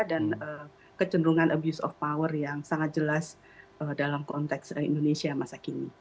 dan kecenderungan abuse of power yang sangat jelas dalam konteks indonesia masa kini